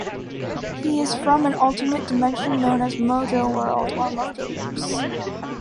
He is from an alternate dimension known as "Mojoworld" or the "Mojoverse".